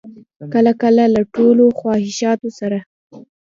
کله کله له ټولو خواهشاتو سره.